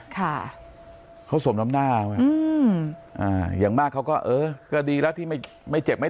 ค่ะเขาสมน้ำหน้าอย่างมากเขาก็เออก็ดีแล้วที่ไม่เจ็บไม่